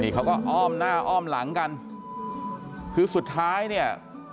เขาก็อ้อมหน้าอ้อมหลังกันคือสุดท้ายเนี่ย